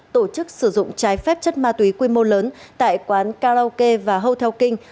tổ chức sử dụng trái phép chất ma túy quy mô lớn tại quán karaoke và hotel king